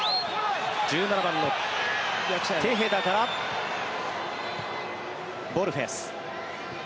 １７番のテヘダからボルヘス。